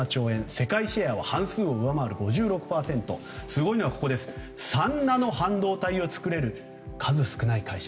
世界シェアは半数を上回る５６％すごいのが、３ナノ半導体を作れる数少ない会社。